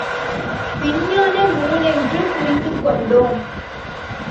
விஞ்ஞான நூலென்று புரிந்துகொண்டோம்.